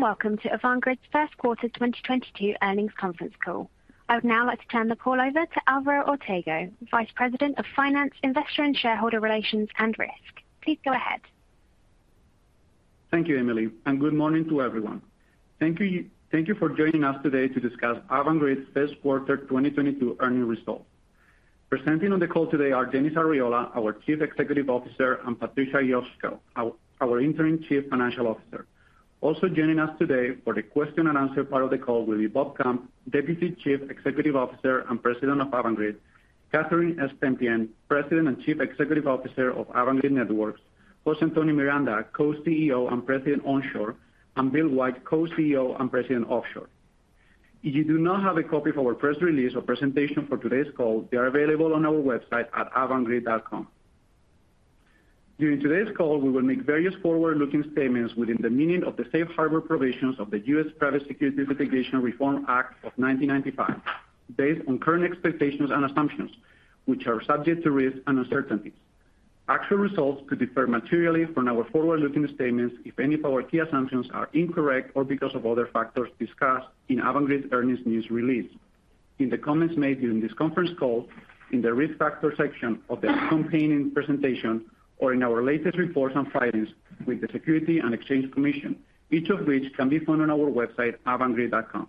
Welcome to Avangrid's first quarter 2022 earnings conference call. I would now like to turn the call over to Alvaro Ortega, Vice President of Finance, Investor and Shareholder Relations and Risk. Please go ahead. Thank you, Emily, and good morning to everyone. Thank you for joining us today to discuss Avangrid's first quarter 2022 earnings results. Presenting on the call today are Dennis Arriola, our Chief Executive Officer, and Patricia Cosgel, our Interim Chief Financial Officer. Also joining us today for the question and answer part of the call will be Bob Kump, Deputy Chief Executive Officer and President of Avangrid, Catherine Stempien, President and Chief Executive Officer of Avangrid Networks, José Antonio Miranda, Co-CEO and President, Onshore, and Bill White, Co-CEO and President, Offshore. If you do not have a copy of our press release or presentation for today's call, they are available on our website at avangrid.com. During today's call, we will make various forward-looking statements within the meaning of the Safe Harbor provisions of the U.S. Private Securities Litigation Reform Act of 1995, based on current expectations and assumptions, which are subject to risks and uncertainties. Actual results could differ materially from our forward-looking statements if any of our key assumptions are incorrect or because of other factors discussed in Avangrid's earnings news release. In the comments made during this conference call, in the Risk Factor section of the accompanying presentation, or in our latest reports on filings with the Securities and Exchange Commission, each of which can be found on our website, avangrid.com.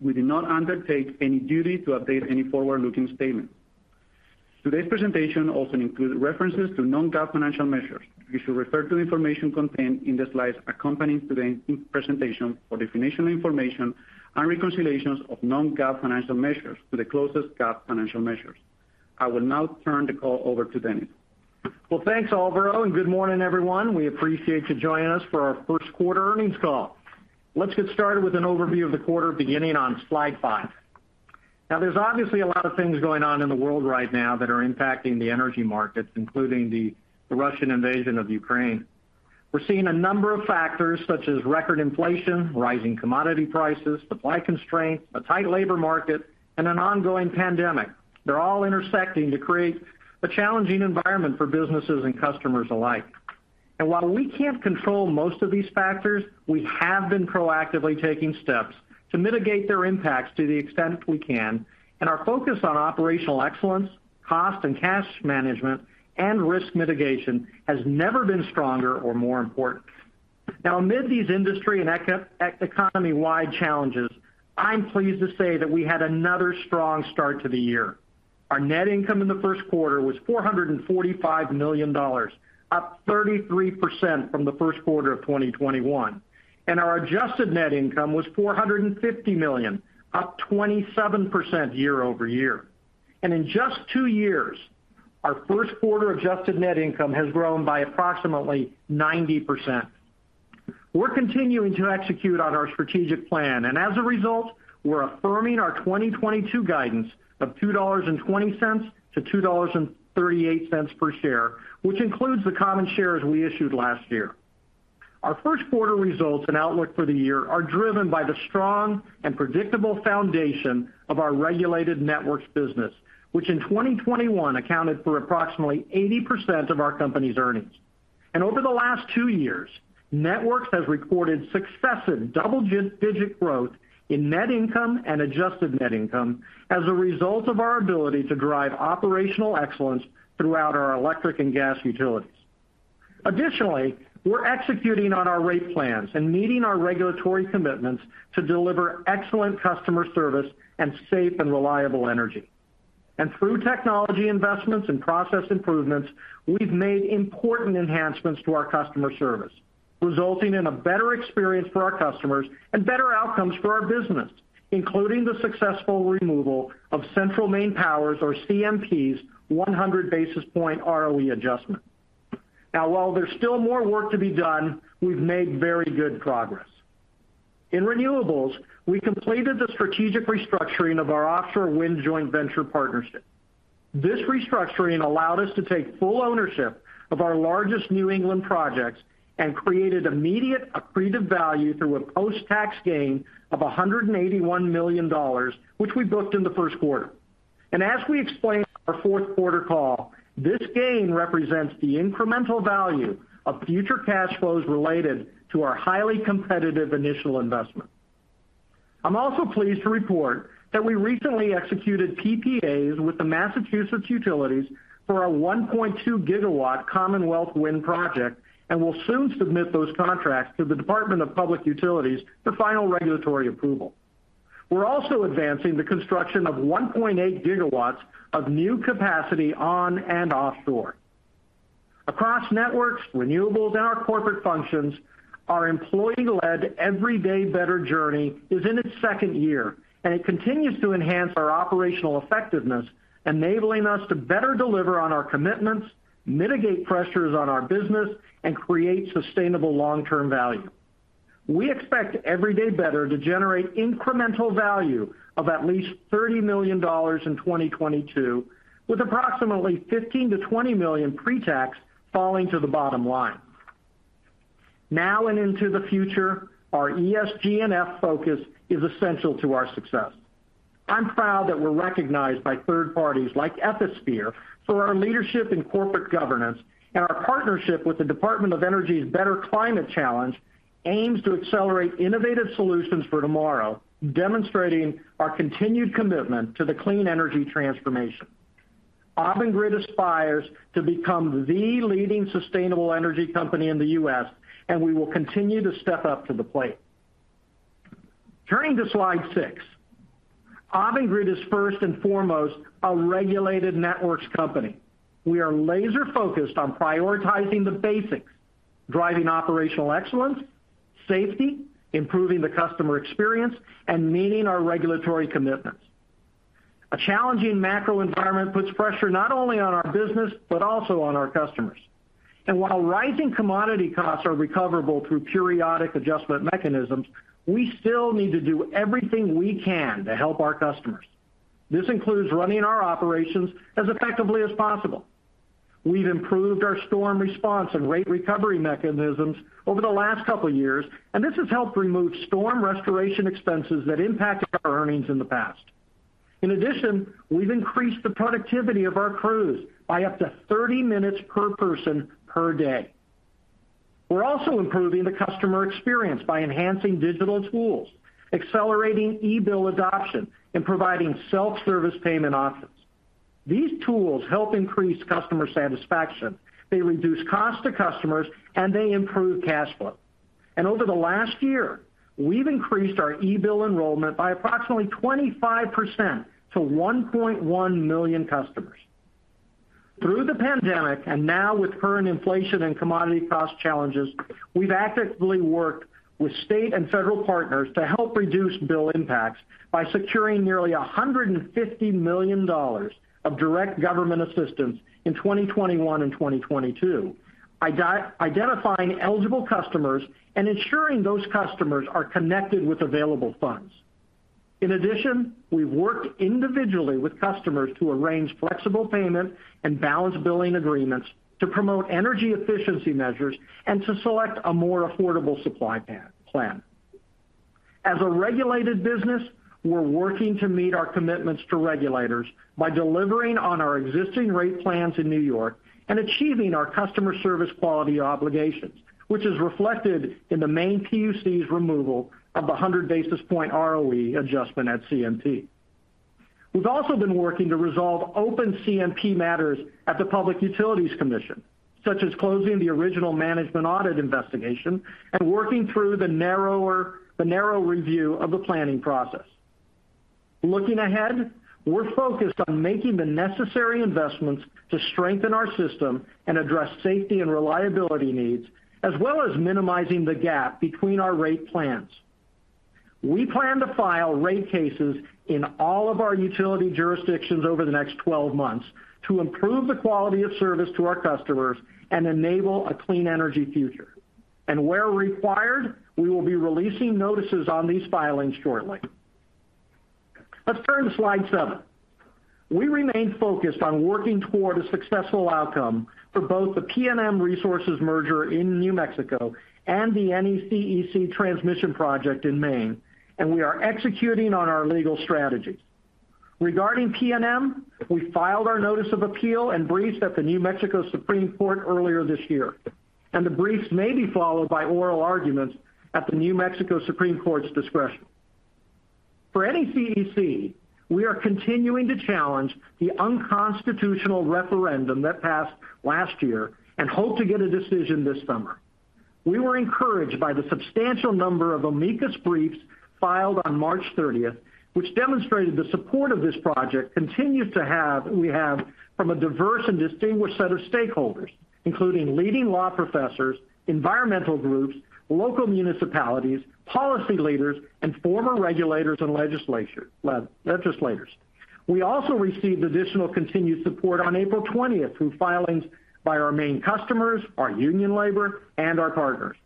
We do not undertake any duty to update any forward-looking statements. Today's presentation also includes references to non-GAAP financial measures. You should refer to the information contained in the slides accompanying today's presentation for definitional information and reconciliations of non-GAAP financial measures to the closest GAAP financial measures. I will now turn the call over to Dennis. Well, thanks, Alvaro, and good morning, everyone. We appreciate you joining us for our first quarter earnings call. Let's get started with an overview of the quarter, beginning on slide 5. Now, there's obviously a lot of things going on in the world right now that are impacting the energy markets, including the Russian invasion of Ukraine. We're seeing a number of factors, such as record inflation, rising commodity prices, supply constraints, a tight labor market, and an ongoing pandemic. They're all intersecting to create a challenging environment for businesses and customers alike. While we can't control most of these factors, we have been proactively taking steps to mitigate their impacts to the extent we can, and our focus on operational excellence, cost and cash management, and risk mitigation has never been stronger or more important. Now, amid these industry and economy-wide challenges, I'm pleased to say that we had another strong start to the year. Our net income in the first quarter was $445 million, up 33% from the first quarter of 2021. Our adjusted net income was $450 million, up 27% year-over-year. In just two years, our first quarter adjusted net income has grown by approximately 90%. We're continuing to execute on our strategic plan, and as a result, we're affirming our 2022 guidance of $2.20-$2.38 per share, which includes the common shares we issued last year. Our first quarter results and outlook for the year are driven by the strong and predictable foundation of our regulated networks business, which in 2021 accounted for approximately 80% of our company's earnings. Over the last two years, Networks has recorded successive double-digit growth in net income and adjusted net income as a result of our ability to drive operational excellence throughout our electric and gas utilities. Additionally, we're executing on our rate plans and meeting our regulatory commitments to deliver excellent customer service and safe and reliable energy. Through technology investments and process improvements, we've made important enhancements to our customer service, resulting in a better experience for our customers and better outcomes for our business, including the successful removal of Central Maine Power's or CMP's 100 basis point ROE adjustment. Now, while there's still more work to be done, we've made very good progress. In renewables, we completed the strategic restructuring of our offshore wind joint venture partnership. This restructuring allowed us to take full ownership of our largest New England projects and created immediate accretive value through a post-tax gain of $181 million, which we booked in the first quarter. As we explained in our fourth quarter call, this gain represents the incremental value of future cash flows related to our highly competitive initial investment. I'm also pleased to report that we recently executed PPAs with the Massachusetts utilities for our 1.2-gigawatt Commonwealth Wind project, and will soon submit those contracts to the Department of Public Utilities for final regulatory approval. We're also advancing the construction of 1.8 gigawatts of new capacity on and offshore. Across networks, renewables, and our corporate functions, our employee-led Everyday Better journey is in its second year, and it continues to enhance our operational effectiveness, enabling us to better deliver on our commitments, mitigate pressures on our business, and create sustainable long-term value. We expect Everyday Better to generate incremental value of at least $30 million in 2022, with approximately $15 million-$20 million pre-tax falling to the bottom line. Now and into the future, our ESG&F focus is essential to our success. I'm proud that we're recognized by third parties like Ethisphere for our leadership in corporate governance and our partnership with the Department of Energy's Better Climate Challenge aims to accelerate innovative solutions for tomorrow, demonstrating our continued commitment to the clean energy transformation. Avangrid aspires to become the leading sustainable energy company in the U.S., and we will continue to step up to the plate. Turning to slide 6. Avangrid is first and foremost a regulated networks company. We are laser-focused on prioritizing the basics, driving operational excellence, safety, improving the customer experience, and meeting our regulatory commitments. A challenging macro environment puts pressure not only on our business, but also on our customers. While rising commodity costs are recoverable through periodic adjustment mechanisms, we still need to do everything we can to help our customers. This includes running our operations as effectively as possible. We've improved our storm response and rate recovery mechanisms over the last couple of years, and this has helped remove storm restoration expenses that impacted our earnings in the past. In addition, we've increased the productivity of our crews by up to 30 minutes per person per day. We're also improving the customer experience by enhancing digital tools, accelerating e-bill adoption, and providing self-service payment options. These tools help increase customer satisfaction. They reduce cost to customers, and they improve cash flow. Over the last year, we've increased our e-bill enrollment by approximately 25% to 1.1 million customers. Through the pandemic, and now with current inflation and commodity cost challenges, we've actively worked with state and federal partners to help reduce bill impacts by securing nearly $150 million of direct government assistance in 2021 and 2022, identifying eligible customers and ensuring those customers are connected with available funds. In addition, we've worked individually with customers to arrange flexible payment and balance billing agreements to promote energy efficiency measures and to select a more affordable supply plan. As a regulated business, we're working to meet our commitments to regulators by delivering on our existing rate plans in New York and achieving our customer service quality obligations, which is reflected in the Maine PUC's removal of the 100 basis points ROE adjustment at CMP. We've also been working to resolve open CMP matters at the Public Utilities Commission, such as closing the original management audit investigation and working through the narrow review of the planning process. Looking ahead, we're focused on making the necessary investments to strengthen our system and address safety and reliability needs, as well as minimizing the gap between our rate plans. We plan to file rate cases in all of our utility jurisdictions over the next 12 months to improve the quality of service to our customers and enable a clean energy future. Where required, we will be releasing notices on these filings shortly. Let's turn to slide seven. We remain focused on working toward a successful outcome for both the PNM Resources merger in New Mexico and the NECEC transmission project in Maine, and we are executing on our legal strategy. Regarding PNM, we filed our notice of appeal and briefed at the New Mexico Supreme Court earlier this year, and the briefs may be followed by oral arguments at the New Mexico Supreme Court's discretion. For NECEC, we are continuing to challenge the unconstitutional referendum that passed last year and hope to get a decision this summer. We were encouraged by the substantial number of amicus briefs filed on March 30, which demonstrated the support this project continues to have from a diverse and distinguished set of stakeholders, including leading law professors, environmental groups, local municipalities, policy leaders, and former regulators and legislators. We also received additional continued support on April 20 through filings by our Maine customers, our union labor, and our partners.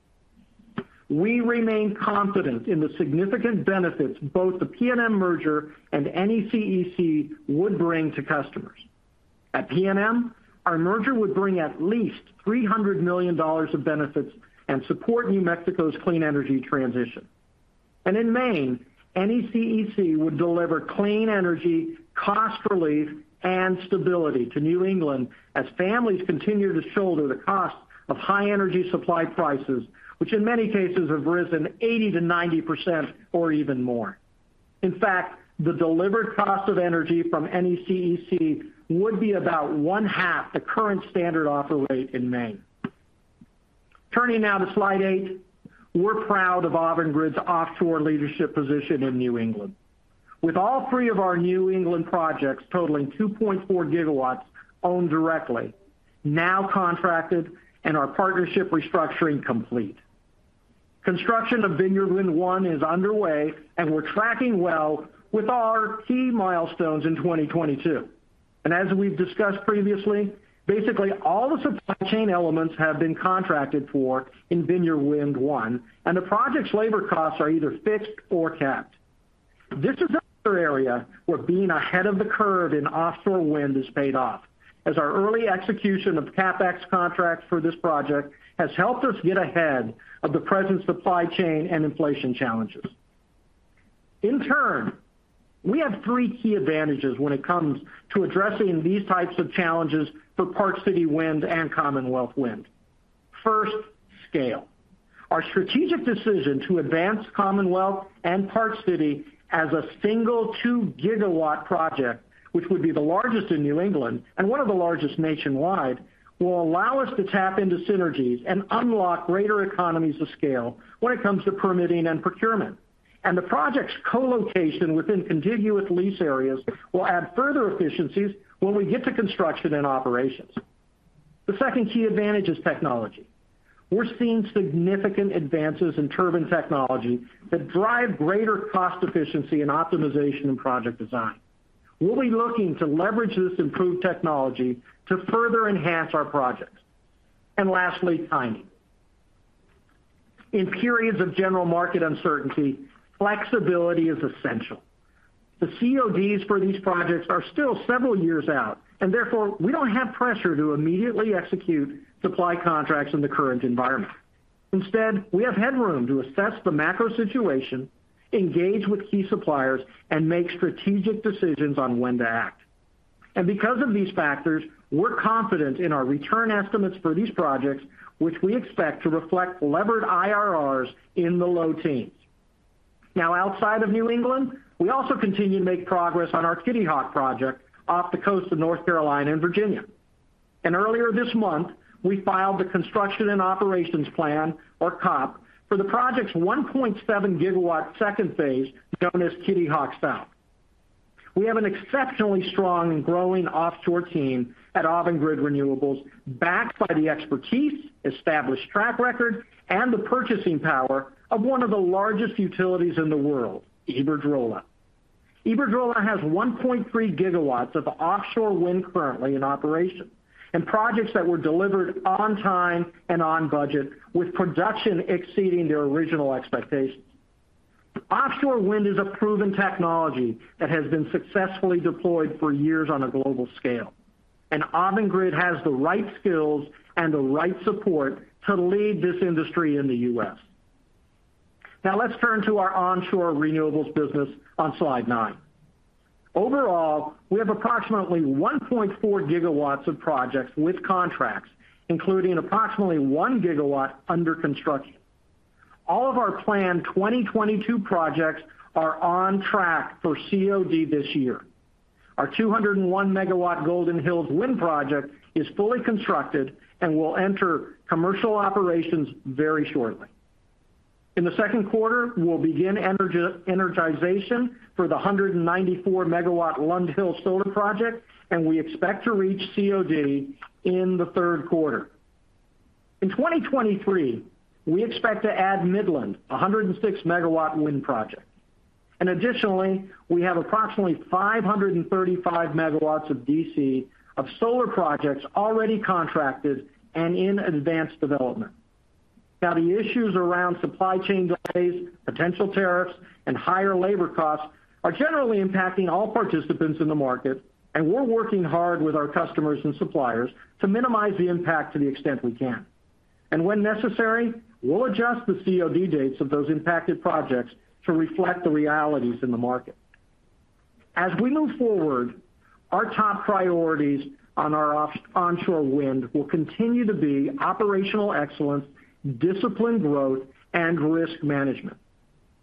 We remain confident in the significant benefits both the PNM merger and NECEC would bring to customers. At PNM, our merger would bring at least $300 million of benefits and support New Mexico's clean energy transition. In Maine, NECEC would deliver clean energy, cost relief, and stability to New England as families continue to shoulder the cost of high energy supply prices, which in many cases have risen 80%-90% or even more. In fact, the delivered cost of energy from NECEC would be about one half the current standard offer rate in Maine. Turning now to slide 8. We're proud of Avangrid's offshore leadership position in New England. With all three of our New England projects totaling 2.4 gigawatts owned directly, now contracted and our partnership restructuring complete. Construction of Vineyard Wind 1 is underway, and we're tracking well with our key milestones in 2022. As we've discussed previously, basically all the supply chain elements have been contracted for in Vineyard Wind 1, and the project's labor costs are either fixed or capped. This is another area where being ahead of the curve in offshore wind has paid off, as our early execution of CapEx contracts for this project has helped us get ahead of the present supply chain and inflation challenges. In turn, we have three key advantages when it comes to addressing these types of challenges for Park City Wind and Commonwealth Wind. First, scale. Our strategic decision to advance Commonwealth and Park City as a single 2-gigawatt project, which would be the largest in New England and one of the largest nationwide, will allow us to tap into synergies and unlock greater economies of scale when it comes to permitting and procurement. The project's co-location within contiguous lease areas will add further efficiencies when we get to construction and operations. The second key advantage is technology. We're seeing significant advances in turbine technology that drive greater cost efficiency and optimization in project design. We'll be looking to leverage this improved technology to further enhance our projects. Lastly, timing. In periods of general market uncertainty, flexibility is essential. The CODs for these projects are still several years out, and therefore, we don't have pressure to immediately execute supply contracts in the current environment. Instead, we have headroom to assess the macro situation, engage with key suppliers, and make strategic decisions on when to act. Because of these factors, we're confident in our return estimates for these projects, which we expect to reflect levered IRRs in the low teens. Now, outside of New England, we also continue to make progress on our Kitty Hawk project off the coast of North Carolina and Virginia. Earlier this month, we filed the Construction and Operations Plan, or COP, for the project's 1.7-gigawatt second phase, known as Kitty Hawk South. We have an exceptionally strong and growing offshore team at Avangrid Renewables, backed by the expertise, established track record, and the purchasing power of one of the largest utilities in the world, Iberdrola. Iberdrola has 1.3 gigawatts of offshore wind currently in operation, and projects that were delivered on time and on budget, with production exceeding their original expectations. Offshore wind is a proven technology that has been successfully deployed for years on a global scale. Avangrid has the right skills and the right support to lead this industry in the U.S. Now let's turn to our onshore renewables business on slide 9. Overall, we have approximately 1.4 gigawatts of projects with contracts, including approximately 1 gigawatt under construction. All of our planned 2022 projects are on track for COD this year. Our 201 megawatt Golden Hills wind project is fully constructed and will enter commercial operations very shortly. In the second quarter, we'll begin energization for the 194 megawatt Lundhill solar project, and we expect to reach COD in the third quarter. In 2023, we expect to add Midland, a 106 megawatt wind project. Additionally, we have approximately 535 megawatts of DC of solar projects already contracted and in advanced development. Now, the issues around supply chain delays, potential tariffs, and higher labor costs are generally impacting all participants in the market, and we're working hard with our customers and suppliers to minimize the impact to the extent we can. When necessary, we'll adjust the COD dates of those impacted projects to reflect the realities in the market. As we move forward, our top priorities on our onshore wind will continue to be operational excellence, disciplined growth, and risk management.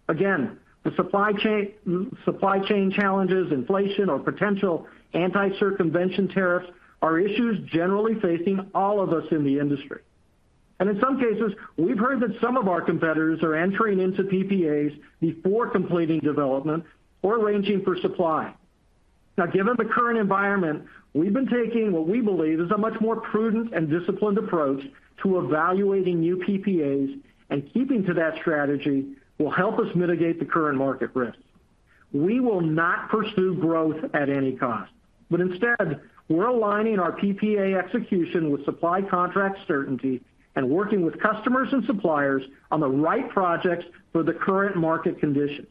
Again, the supply chain challenges, inflation, or potential anti-circumvention tariffs are issues generally facing all of us in the industry. In some cases, we've heard that some of our competitors are entering into PPAs before completing development or arranging for supply. Now, given the current environment, we've been taking what we believe is a much more prudent and disciplined approach to evaluating new PPAs, and keeping to that strategy will help us mitigate the current market risks. We will not pursue growth at any cost, but instead, we're aligning our PPA execution with supply contract certainty and working with customers and suppliers on the right projects for the current market conditions.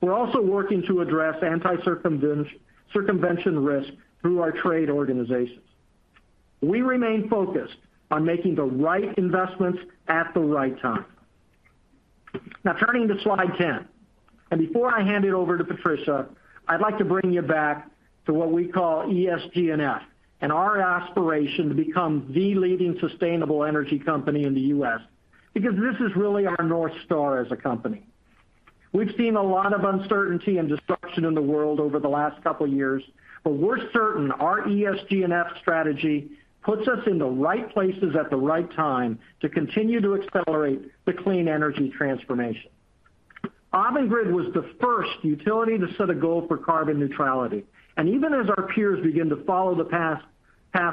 We're also working to address anti-circumvention risk through our trade organizations. We remain focused on making the right investments at the right time. Now turning to slide 10, and before I hand it over to Patricia, I'd like to bring you back to what we call ESG&F and our aspiration to become the leading sustainable energy company in the U.S., because this is really our North Star as a company. We've seen a lot of uncertainty and disruption in the world over the last couple years, but we're certain our ESG&F strategy puts us in the right places at the right time to continue to accelerate the clean energy transformation. Avangrid was the first utility to set a goal for carbon neutrality. Even as our peers begin to follow the path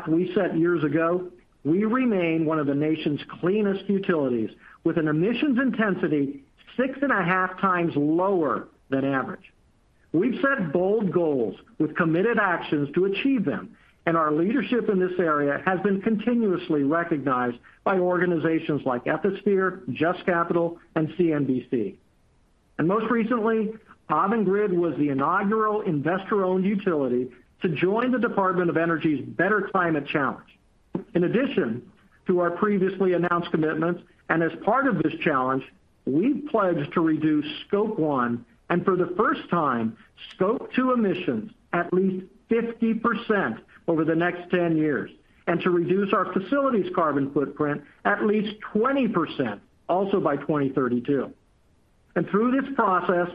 we set years ago, we remain one of the nation's cleanest utilities, with an emissions intensity six and a half times lower than average. We've set bold goals with committed actions to achieve them, and our leadership in this area has been continuously recognized by organizations like Ethisphere, Just Capital, and CNBC. Most recently, Avangrid was the inaugural investor-owned utility to join the Department of Energy's Better Climate Challenge. In addition to our previously announced commitments and as part of this challenge, we've pledged to reduce Scope 1 and for the first time, Scope 2 emissions at least 50% over the next 10 years, and to reduce our facilities carbon footprint at least 20% also by 2032. Through this process,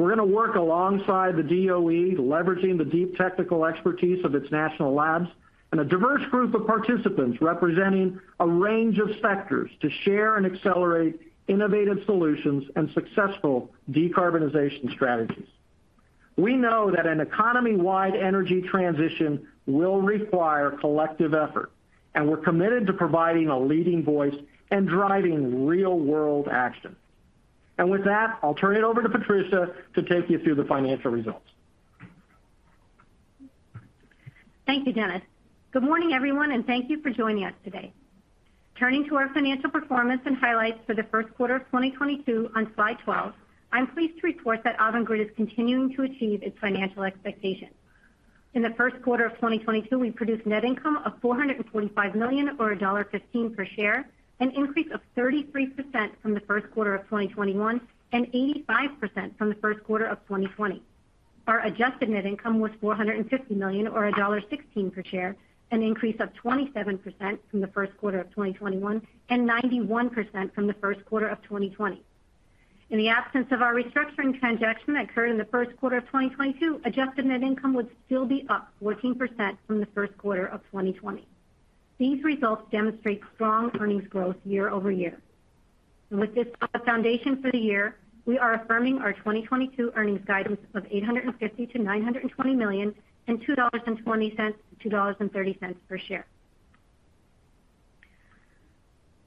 we're gonna work alongside the DOE, leveraging the deep technical expertise of its national labs and a diverse group of participants representing a range of sectors to share and accelerate innovative solutions and successful decarbonization strategies. We know that an economy-wide energy transition will require collective effort, and we're committed to providing a leading voice and driving real-world action. With that, I'll turn it over to Patricia to take you through the financial results. Thank you, Dennis. Good morning, everyone, and thank you for joining us today. Turning to our financial performance and highlights for the first quarter of 2022 on slide 12, I'm pleased to report that Avangrid is continuing to achieve its financial expectations. In the first quarter of 2022, we produced net income of $445 million or $1.15 per share, an increase of 33% from the first quarter of 2021 and 85% from the first quarter of 2020. Our adjusted net income was $450 million or $1.16 per share, an increase of 27% from the first quarter of 2021 and 91% from the first quarter of 2020. In the absence of our restructuring transaction that occurred in the first quarter of 2022, adjusted net income would still be up 14% from the first quarter of 2020. These results demonstrate strong earnings growth year-over-year. With this as foundation for the year, we are affirming our 2022 earnings guidance of $850 million-$920 million and $2.20-$2.30 per share.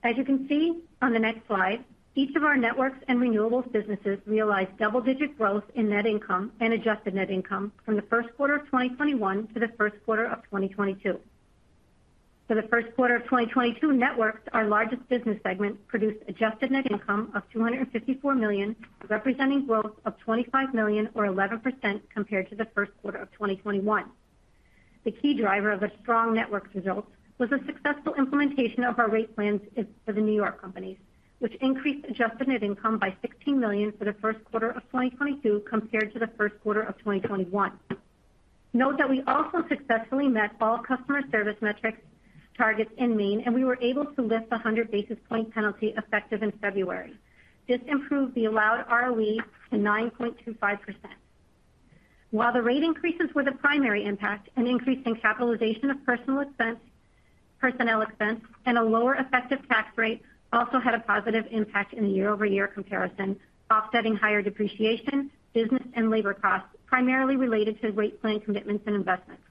As you can see on the next slide, each of our networks and renewables businesses realized double-digit growth in net income and adjusted net income from the first quarter of 2021 to the first quarter of 2022. For the first quarter of 2022, Networks, our largest business segment produced adjusted net income of $254 million, representing growth of $25 million or 11% compared to the first quarter of 2021. The key driver of strong Networks results was a successful implementation of our rate plans for the New York companies, which increased adjusted net income by $16 million for the first quarter of 2022 compared to the first quarter of 2021. Note that we also successfully met all customer service metrics targets in Maine, and we were able to lift a 100 basis point penalty effective in February. This improved the allowed ROE to 9.25%. While the rate increases were the primary impact, an increase in capitalization of personnel expense and a lower effective tax rate also had a positive impact in the year-over-year comparison, offsetting higher depreciation, business and labor costs, primarily related to rate plan commitments and investments.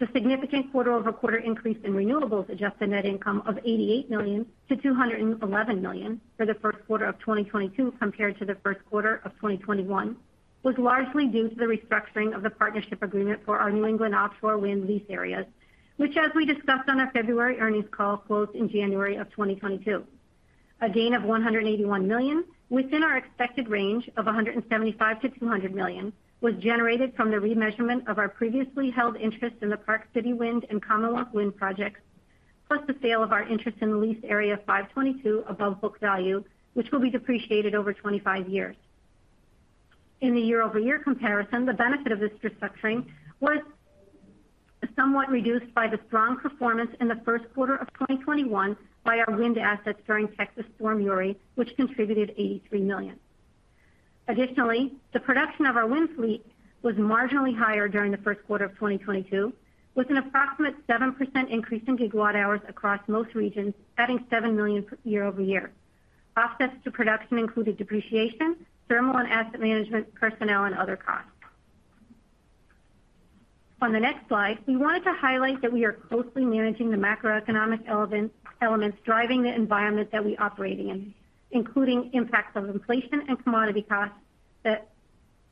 The significant quarter-over-quarter increase in renewables adjusted net income of $88 million to $211 million for the first quarter of 2022 compared to the first quarter of 2021 was largely due to the restructuring of the partnership agreement for our New England offshore wind lease areas, which as we discussed on our February earnings call, closed in January of 2022. A gain of $181 million within our expected range of $175 million-$200 million was generated from the remeasurement of our previously held interest in the Park City Wind and Commonwealth Wind projects, plus the sale of our interest in the lease area 522 above book value, which will be depreciated over 25 years. In the year-over-year comparison, the benefit of this restructuring was somewhat reduced by the strong performance in the first quarter of 2021 by our wind assets during Winter Storm Uri, which contributed $83 million. Additionally, the production of our wind fleet was marginally higher during the first quarter of 2022, with an approximate 7% increase in GWh across most regions, adding $7 million year-over-year. Offsets to production included depreciation, thermal and asset management, personnel and other costs. On the next slide, we wanted to highlight that we are closely managing the macroeconomic elements driving the environment that we're operating in, including impacts of inflation and commodity costs that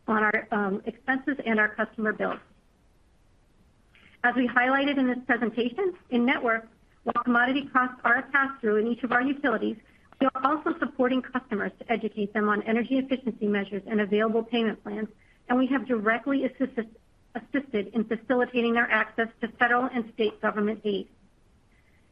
on our expenses and our customer bills. As we highlighted in this presentation, in networks, while commodity costs are passed through in each of our utilities, we are also supporting customers to educate them on energy efficiency measures and available payment plans, and we have directly assisted in facilitating their access to federal and state government aid.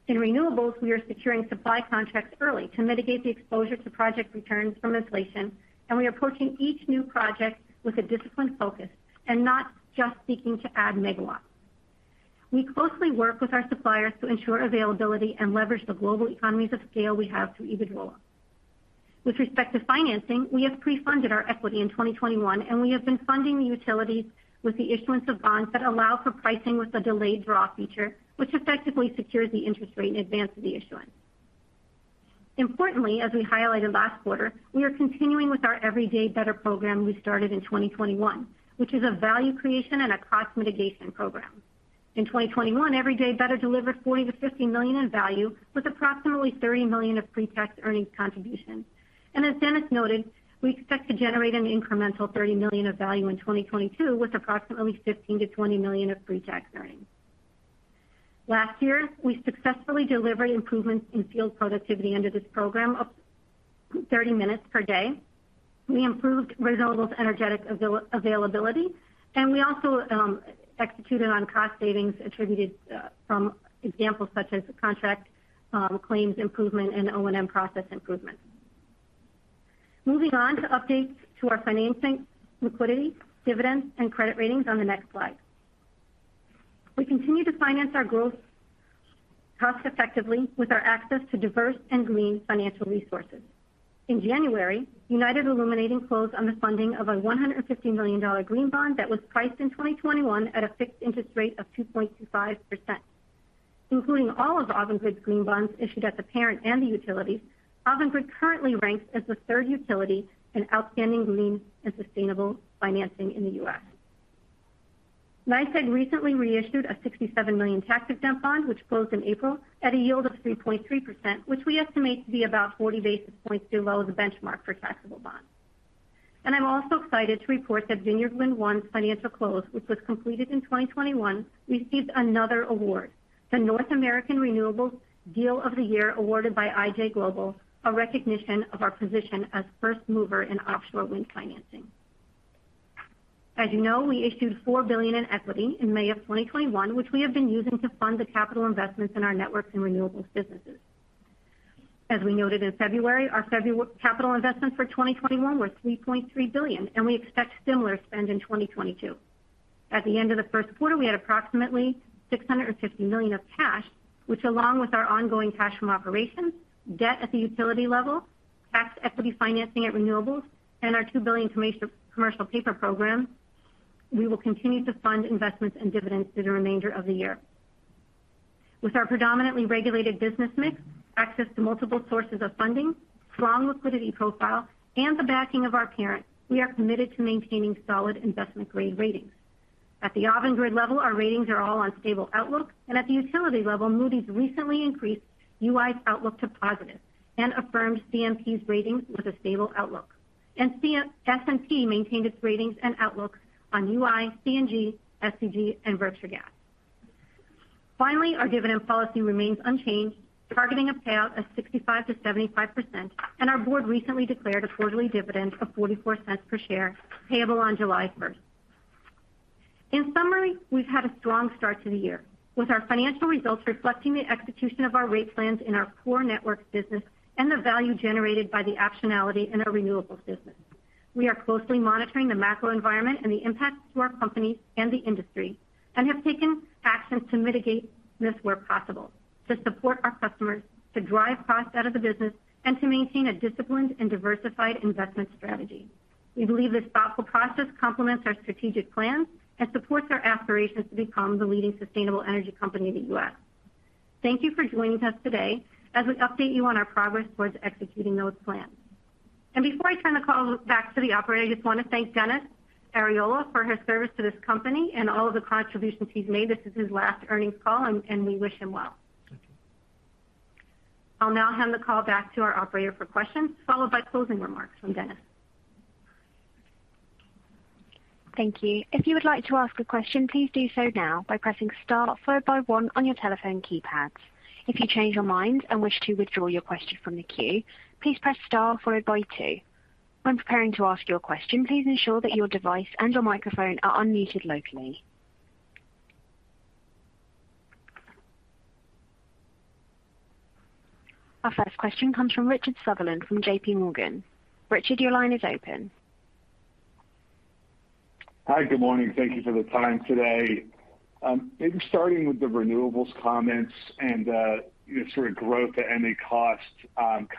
In renewables, we are securing supply contracts early to mitigate the exposure to project returns from inflation, and we are approaching each new project with a disciplined focus and not just seeking to add megawatts. We closely work with our suppliers to ensure availability and leverage the global economies of scale we have through Iberdrola. With respect to financing, we have pre-funded our equity in 2021, and we have been funding the utilities with the issuance of bonds that allow for pricing with a delayed draw feature, which effectively secures the interest rate in advance of the issuance. Importantly, as we highlighted last quarter, we are continuing with our Everyday Better program we started in 2021, which is a value creation and a cost mitigation program. In 2021, Everyday Better delivered $40 million-$50 million in value with approximately $30 million of pre-tax earnings contribution. As Dennis noted, we expect to generate an incremental $30 million of value in 2022, with approximately $15 million-$20 million of pre-tax earnings. Last year, we successfully delivered improvements in field productivity under this program of 30 minutes per day. We improved renewable energy availability, and we also executed on cost savings attributed from examples such as contract claims improvement and O&M process improvement. Moving on to updates to our financing, liquidity, dividends, and credit ratings on the next slide. We continue to finance our growth cost effectively with our access to diverse and green financial resources. In January, United Illuminating closed on the funding of a $150 million green bond that was priced in 2021 at a fixed interest rate of 2.25%. Including all of Avangrid's green bonds issued at the parent and the utilities, Avangrid currently ranks as the third utility in outstanding green and sustainable financing in the U.S. NYSEG recently reissued a $67 million tax-exempt bond, which closed in April at a yield of 3.3%, which we estimate to be about 40 basis points below the benchmark for taxable bonds. I'm also excited to report that Vineyard Wind 1's financial close, which was completed in 2021, received another award, the North America Renewables Deal of the Year awarded by IJGlobal, a recognition of our position as first mover in offshore wind financing. As you know, we issued $4 billion in equity in May of 2021, which we have been using to fund the capital investments in our networks and renewables businesses. As we noted in February, our capital investments for 2021 were $3.3 billion, and we expect similar spend in 2022. At the end of the first quarter, we had approximately $650 million in cash, which, along with our ongoing cash from operations, debt at the utility level, tax equity financing at renewables, and our $2 billion commercial paper program, we will continue to fund investments and dividends through the remainder of the year. With our predominantly regulated business mix, access to multiple sources of funding, strong liquidity profile, and the backing of our parent, we are committed to maintaining solid investment-grade ratings. At the Avangrid level, our ratings are all on stable outlook, and at the utility level, Moody's recently increased UI's outlook to positive and affirmed CMP's ratings with a stable outlook. S&P maintained its ratings and outlook on UI, CNG, SCG, and Berkshire Gas. Finally, our dividend policy remains unchanged, targeting a payout of 65%-75%, and our board recently declared a quarterly dividend of $0.44 per share, payable on July 1. In summary, we've had a strong start to the year, with our financial results reflecting the execution of our rate plans in our core networks business and the value generated by the optionality in our renewables business. We are closely monitoring the macro environment and the impacts to our company and the industry, and have taken actions to mitigate risk where possible, to support our customers, to drive costs out of the business, and to maintain a disciplined and diversified investment strategy. We believe this thoughtful process complements our strategic plans and supports our aspirations to become the leading sustainable energy company in the U.S. Thank you for joining us today as we update you on our progress towards executing those plans. Before I turn the call back to the operator, I just want to thank Dennis Arriola for his service to this company and all of the contributions he's made. This is his last earnings call, and we wish him well. Thank you. I'll now hand the call back to our operator for questions, followed by closing remarks from Dennis. Thank you. If you would like to ask a question, please do so now by pressing * followed by one on your telephone keypads. If you change your mind and wish to withdraw your question from the queue, please press * followed by two. When preparing to ask your question, please ensure that your device and your microphone are unmuted locally. Our first question comes from Richard Sunderland from JP Morgan. Richard, your line is open. Hi. Good morning. Thank you for the time today. Maybe starting with the renewables comments and, you know, sort of growth at any cost,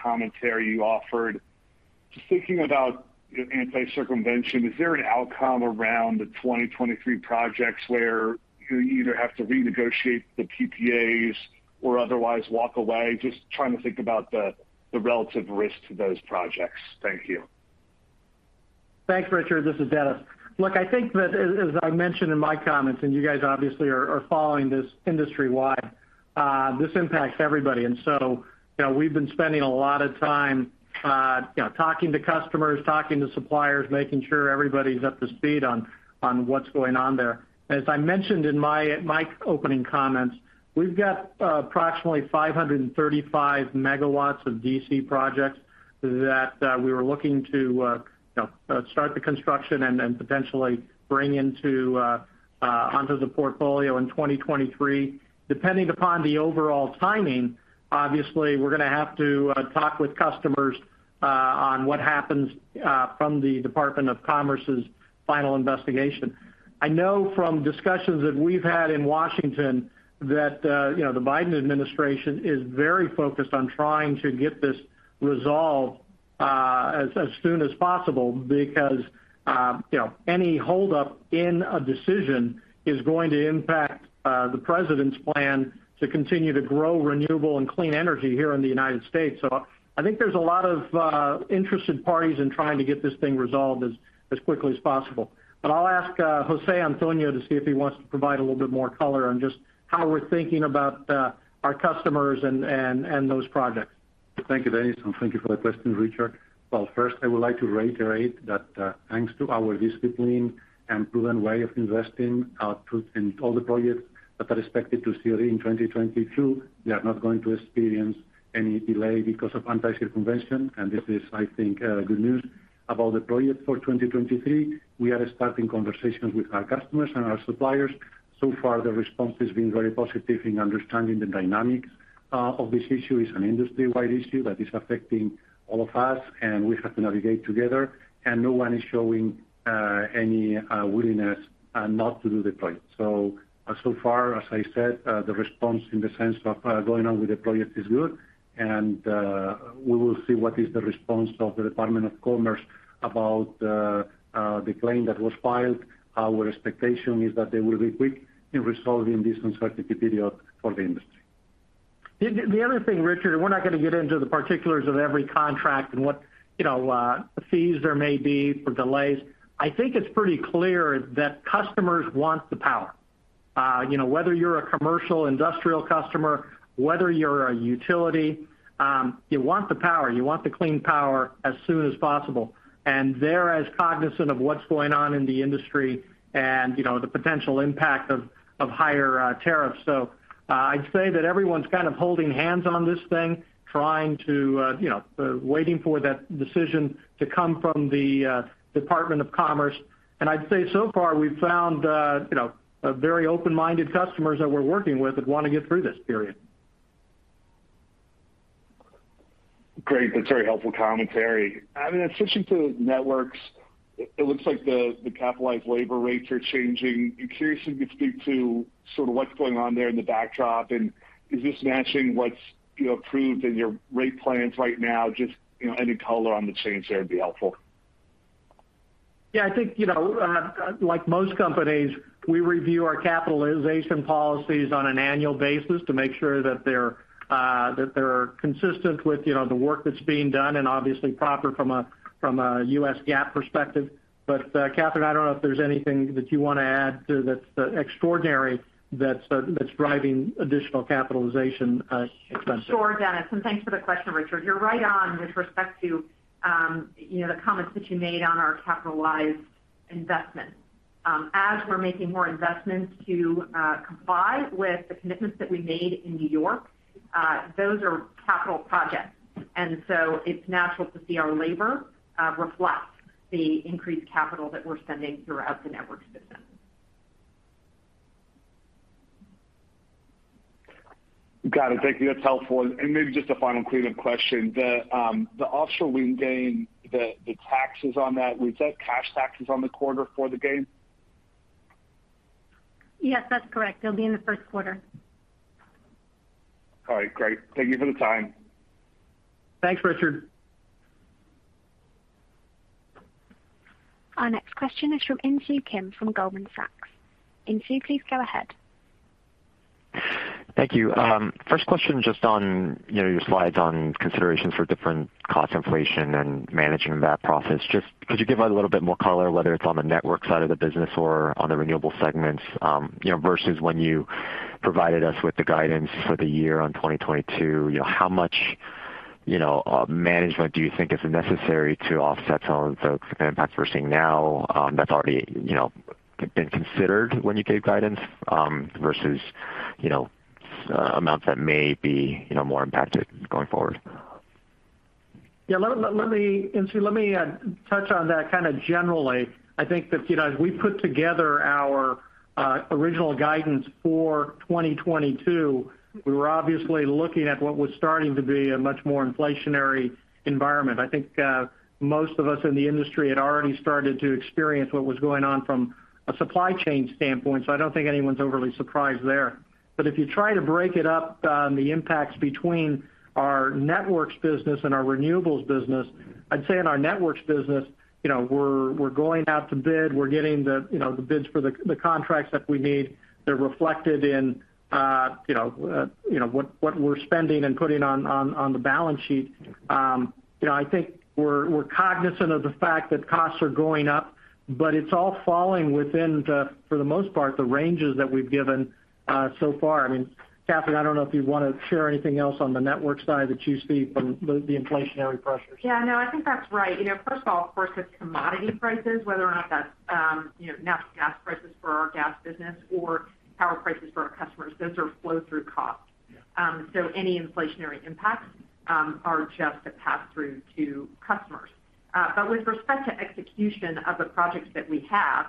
commentary you offered. Just thinking about anti-circumvention, is there an outcome around the 2023 projects where you either have to renegotiate the PPAs or otherwise walk away? Just trying to think about the relative risk to those projects. Thank you. Thanks, Richard. This is Dennis. Look, I think that as I mentioned in my comments, and you guys obviously are following this industry-wide, this impacts everybody. You know, we've been spending a lot of time, you know, talking to customers, talking to suppliers, making sure everybody's up to speed on what's going on there. As I mentioned in my opening comments, we've got approximately 535 megawatts of DC projects that we were looking to, you know, start the construction and potentially bring onto the portfolio in 2023. Depending upon the overall timing, obviously, we're gonna have to talk with customers on what happens from the Department of Commerce's final investigation. I know from discussions that we've had in Washington that, you know, the Biden administration is very focused on trying to get this resolved, as soon as possible because, you know, any hold up in a decision is going to impact, the president's plan to continue to grow renewable and clean energy here in the United States. I think there's a lot of, interested parties in trying to get this thing resolved as quickly as possible. I'll ask, José Antonio to see if he wants to provide a little bit more color on just how we're thinking about, our customers and those projects. Thank you, Dennis. Thank you for the question, Richard. Well, first, I would like to reiterate that, thanks to our discipline and proven way of investing, put in all the projects that are expected to COD in 2022, we are not going to experience any delay because of anti-circumvention. This is, I think, good news about the project for 2023. We are starting conversations with our customers and our suppliers. So far the response has been very positive in understanding the dynamics, of this issue. It's an industry-wide issue that is affecting all of us, and we have to navigate together and no one is showing, any, willingness, not to do the project. so far, as I said, the response in the sense of, going on with the project is good. We will see what is the response of the Department of Commerce about the claim that was filed. Our expectation is that they will be quick in resolving this uncertainty period for the industry. The other thing, Richard, we're not gonna get into the particulars of every contract and what, you know, fees there may be for delays. I think it's pretty clear that customers want the power. You know, whether you're a commercial industrial customer, whether you're a utility, you want the power, you want the clean power as soon as possible. They're as cognizant of what's going on in the industry and, you know, the potential impact of higher tariffs. I'd say that everyone's kind of holding hands on this thing, trying to wait for that decision to come from the Department of Commerce. I'd say so far we've found a very open-minded customers that we're working with that wanna get through this period. Great. That's very helpful commentary. I mean, switching to networks, it looks like the capitalized labor rates are changing. I'm curious if you could speak to sort of what's going on there in the backdrop, and is this matching what you approved in your rate plans right now? Just, you know, any color on the change there would be helpful. Yeah, I think, you know, like most companies, we review our capitalization policies on an annual basis to make sure that they're consistent with, you know, the work that's being done and obviously proper from a U.S. GAAP perspective. Catherine, I don't know if there's anything that you wanna add to that that's extraordinary that's driving additional capitalization expenses. Sure, Dennis. Thanks for the question, Richard. You're right on with respect to, you know, the comments that you made on our capitalized investment. As we're making more investments to comply with the commitments that we made in New York, those are capital projects. It's natural to see our labor reflect the increased capital that we're sending throughout the networks business. Got it. Thank you. That's helpful. Maybe just a final cleanup question. The offshore wind gain, the taxes on that, was that cash taxes on the quarter for the gain? Yes, that's correct. They'll be in the first quarter. All right, great. Thank you for the time. Thanks, Richard. Our next question is from Insoo Kim from Goldman Sachs. Insoo, please go ahead. Thank you. First question, just on, you know, your slides on considerations for different cost inflation and managing that process. Just could you give a little bit more color, whether it's on the network side of the business or on the renewable segments, you know, versus when you provided us with the guidance for the year on 2022. You know, how much, you know, management do you think is necessary to offset some of the impacts we're seeing now, that's already, you know, been considered when you gave guidance, versus, you know, amounts that may be, you know, more impacted going forward? Yeah. Insoo, let me touch on that kind of generally. I think that, you know, as we put together our original guidance for 2022, we were obviously looking at what was starting to be a much more inflationary environment. I think most of us in the industry had already started to experience what was going on from a supply chain standpoint, so I don't think anyone's overly surprised there. If you try to break it up, the impacts between our networks business and our renewables business, I'd say in our networks business, you know, we're going out to bid. We're getting the bids for the contracts that we need. They're reflected in, you know, what we're spending and putting on the balance sheet. You know, I think we're cognizant of the fact that costs are going up, but it's all falling within the, for the most part, the ranges that we've given so far. I mean, Catherine, I don't know if you wanna share anything else on the network side that you see from the inflationary pressures. Yeah. No, I think that's right. You know, first of all, of course, it's commodity prices, whether or not that's natural gas prices for our gas business or power prices for our customers. Those are flow-through costs. Any inflationary impacts are just a pass-through to customers. With respect to execution of the projects that we have,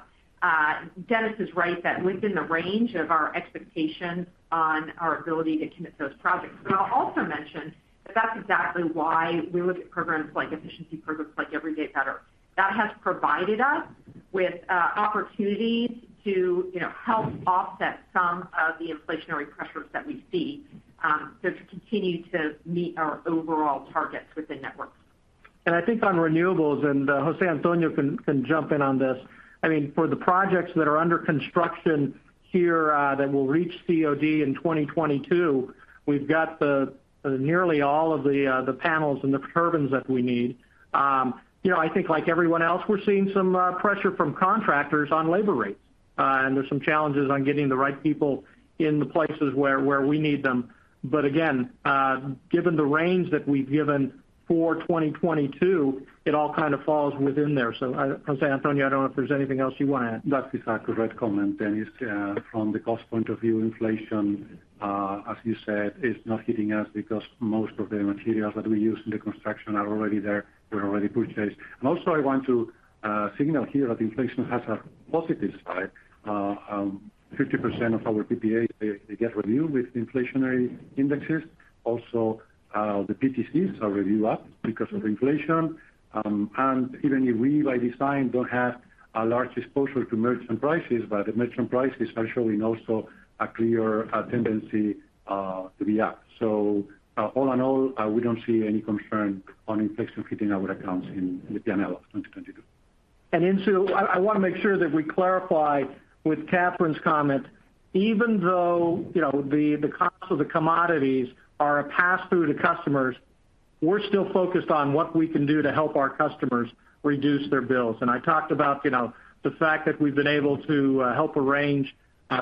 Dennis is right that within the range of our expectations on our ability to commit those projects. I'll also mention that that's exactly why we look at programs like efficiency programs like Everyday Better. That has provided us with opportunities to help offset some of the inflationary pressures that we see, so to continue to meet our overall targets with the networks business. I think on renewables, and Jose Antonio can jump in on this. I mean, for the projects that are under construction here, that will reach COD in 2022, we've got nearly all of the panels and the turbines that we need. You know, I think like everyone else, we're seeing some pressure from contractors on labor rates. There's some challenges on getting the right people in the places where we need them. But again, given the range that we've given for 2022, it all kind of falls within there. I Jose Antonio, I don't know if there's anything else you want to add. That's exactly right comment, Dennis. From the cost point of view, inflation, as you said, is not hitting us because most of the materials that we use in the construction are already there. They're already purchased. Also I want to signal here that inflation has a positive side. 50% of our PPAs, they get renewed with inflationary indexes. Also, the PTCs are revised up because of inflation. Even if we, by design, don't have a large exposure to merchant prices, but the merchant prices are showing also a clear tendency to be up. All in all, we don't see any concern on inflation hitting our accounts in the P&L of 2022. Insoo, I want to make sure that we clarify with Catherine's comment, even though, you know, the cost of the commodities are a pass-through to customers, we're still focused on what we can do to help our customers reduce their bills. I talked about, you know, the fact that we've been able to help arrange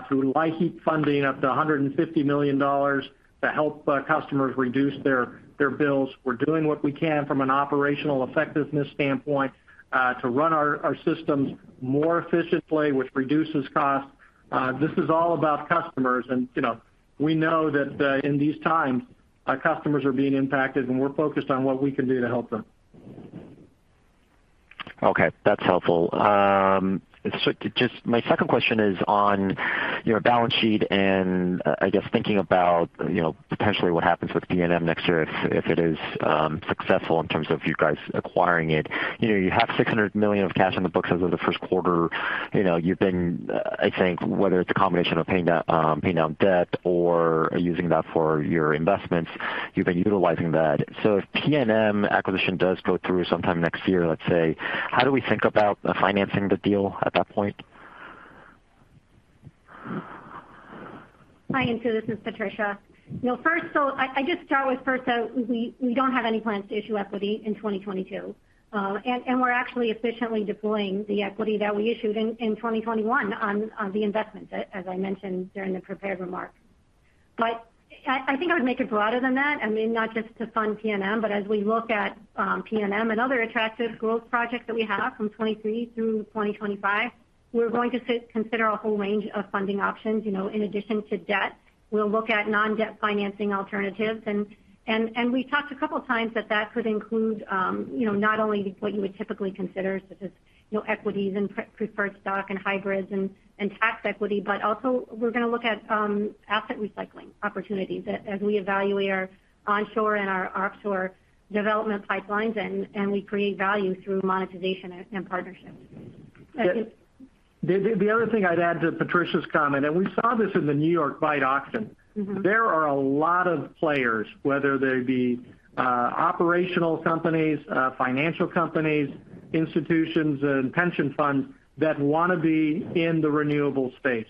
through LIHEAP funding up to $150 million to help customers reduce their bills. We're doing what we can from an operational effectiveness standpoint to run our systems more efficiently, which reduces costs. This is all about customers. You know, we know that in these times, our customers are being impacted, and we're focused on what we can do to help them. Okay, that's helpful. Just my second question is on your balance sheet and, I guess thinking about, you know, potentially what happens with PNM next year if it is successful in terms of you guys acquiring it. You know, you have $600 million of cash on the books as of the first quarter. You know, you've been, I think whether it's a combination of paying down debt or using that for your investments, you've been utilizing that. If PNM acquisition does go through sometime next year, let's say, how do we think about financing the deal at that point? Hi, Insoo. This is Patricia. You know, first, I just start with first, we don't have any plans to issue equity in 2022. We're actually efficiently deploying the equity that we issued in 2021 on the investment, as I mentioned during the prepared remarks. I think I would make it broader than that. I mean, not just to fund PNM, but as we look at PNM and other attractive growth projects that we have from 2023 through 2025, we're going to consider a whole range of funding options. You know, in addition to debt, we'll look at non-debt financing alternatives. We talked a couple of times that could include, you know, not only what you would typically consider, such as, you know, equities and preferred stock and hybrids and tax equity, but also we're going to look at asset recycling opportunities as we evaluate our onshore and our offshore development pipelines, and we create value through monetization and partnerships. The other thing I'd add to Patricia's comment, and we saw this in the New York bid auction. Mm-hmm. There are a lot of players, whether they be, operational companies, financial companies, institutions and pension funds that want to be in the renewable space.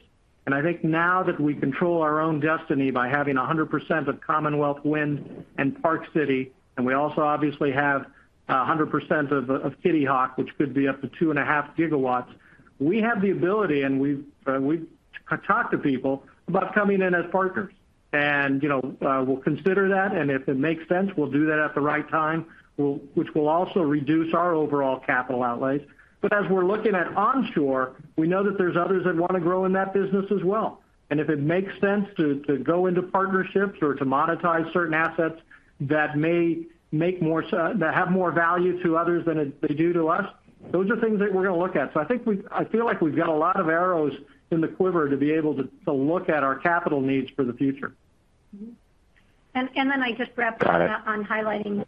I think now that we control our own destiny by having 100% of Commonwealth Wind and Park City, and we also obviously have 100% of Kitty Hawk, which could be up to 2.5 gigawatts. We have the ability and we've talked to people about coming in as partners. You know, we'll consider that, and if it makes sense, we'll do that at the right time, which will also reduce our overall capital outlay. As we're looking at onshore, we know that there's others that want to grow in that business as well. If it makes sense to go into partnerships or to monetize certain assets that have more value to others than they do to us, those are things that we're going to look at. I think I feel like we've got a lot of arrows in the quiver to be able to look at our capital needs for the future. I just wrap up. Got it. On highlighting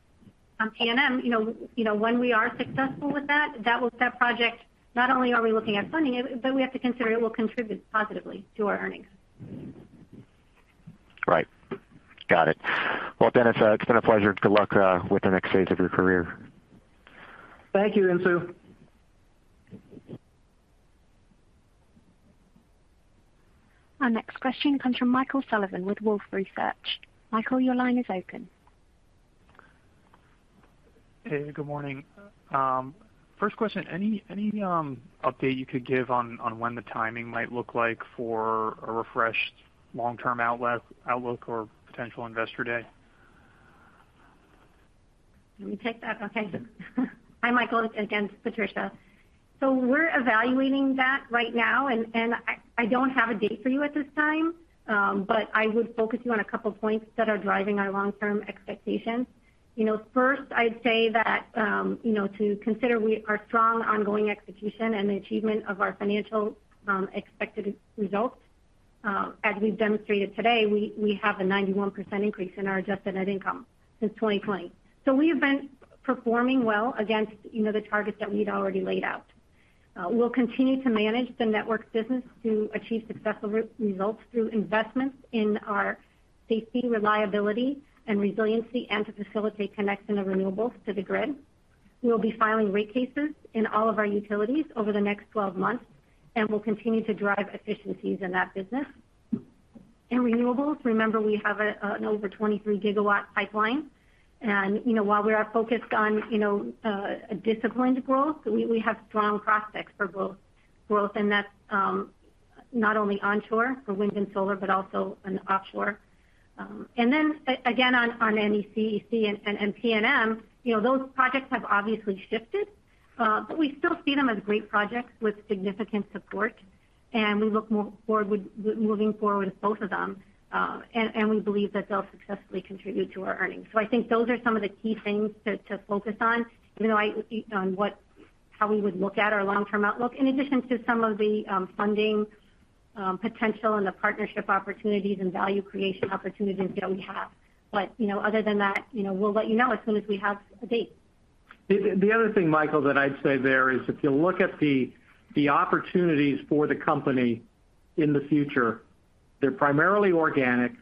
on PNM. You know, when we are successful with that will set precedent, not only are we looking at funding it, but we have to consider it will contribute positively to our earnings. Right. Got it. Well, Dennis, it's been a pleasure. Good luck with the next phase of your career. Thank you, Insoo. Our next question comes from Michael Sullivan with Wolfe Research. Michael, your line is open. Hey, good morning. First question, any update you could give on when the timing might look like for a refreshed long-term outlook or potential investor day? Let me take that. Okay. Hi, Michael. It's Patricia again. We're evaluating that right now, and I don't have a date for you at this time. But I would focus you on a couple of points that are driving our long-term expectations. You know, first, I'd say that, you know, to consider our strong ongoing execution and the achievement of our financial expected results. As we've demonstrated today, we have a 91% increase in our adjusted net income since 2020. We have been performing well against, you know, the targets that we'd already laid out. We'll continue to manage the networks business to achieve successful results through investments in our safety, reliability, and resiliency, and to facilitate connecting the renewables to the grid. We will be filing rate cases in all of our utilities over the next 12 months, and we'll continue to drive efficiencies in that business. In renewables, remember, we have an over 23 gigawatts pipeline. You know, while we are focused on a disciplined growth, we have strong prospects for growth, and that's not only onshore for wind and solar, but also in offshore. Again, on NECEC and PNM, you know, those projects have obviously shifted, but we still see them as great projects with significant support, and we look forward to moving forward with both of them, and we believe that they'll successfully contribute to our earnings. I think those are some of the key things to focus on how we would look at our long-term outlook, in addition to some of the funding potential and the partnership opportunities and value creation opportunities that we have. Other than that, you know, we'll let you know as soon as we have a date. The other thing, Michael, that I'd say there is, if you look at the opportunities for the company in the future, they're primarily organic,